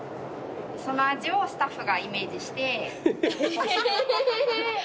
その味をスタッフがイメージして。